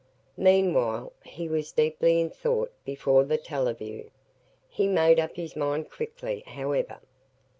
Meanwhile he was deeply in thought before the "teleview." He made up his mind quickly, however.